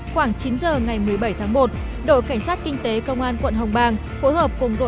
khoảng chín giờ ngày một mươi bảy tháng một đội cảnh sát kinh tế công an quận hồng bàng phối hợp cùng đội